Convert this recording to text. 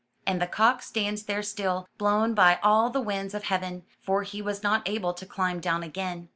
And the cock stands there still, blown by all the winds of heaven, for he was not able to climb down again.